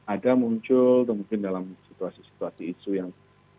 ada muncul mungkin dalam situasi situasi isu yang